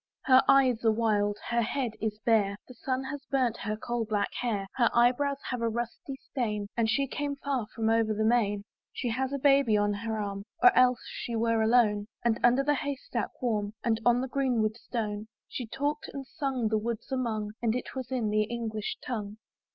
Her eyes are wild, her head is bare, The sun has burnt her coal black hair, Her eye brows have a rusty stain, And she came far from over the main. She has a baby on her arm, Or else she were alone; And underneath the hay stack warm, And on the green wood stone, She talked and sung the woods among; And it was in the English tongue.